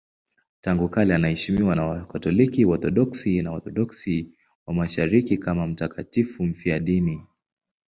Tangu kale anaheshimiwa na Wakatoliki, Waorthodoksi na Waorthodoksi wa Mashariki kama mtakatifu mfiadini.